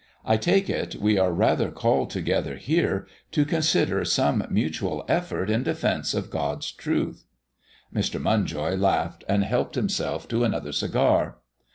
"I take it we are rather called together here to consider some mutual effort in defence of God's truth." Mr. Munjoy laughed and helped himself to another cigar.